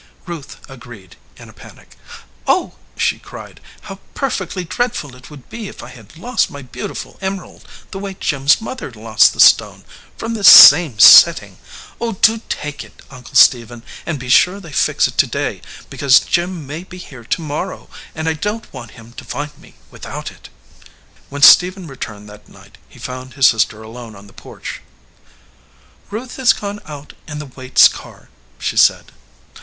Ruth agreed in a panic. "Oh," she cried, "how perfectly dreadful it would be if I had lost my beautiful emerald the way Jim s mother lost the stone from this same setting! Oh, do take it, Uncle Stephen, and be sure they fix it to day, be cause Jim may be here to morrow, and I don t want him to find me without it." When Stephen returned that night he found his sister alone on the porch. 267 EDGEWATER PEOPLE "Ruth has gone out in the Waites car," she said.